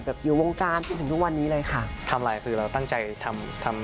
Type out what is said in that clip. คุณผู้ชมไม่เจนเลยค่ะถ้าลูกคุณออกมาได้มั้ยคะ